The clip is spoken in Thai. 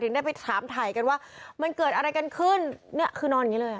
ได้ไปถามถ่ายกันว่ามันเกิดอะไรกันขึ้นเนี่ยคือนอนอย่างงี้เลยอ่ะ